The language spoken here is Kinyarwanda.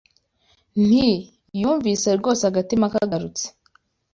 Nti: yumviye rwose Agatima karagarutse